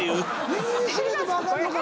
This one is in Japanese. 握り締めてもあかんのか。